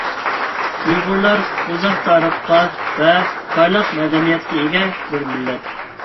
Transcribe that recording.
ئۇيغۇرلار — ئۇزاق تارىخقا ۋە پارلاق مەدەنىيەتكە ئىگە بىر مىللەت.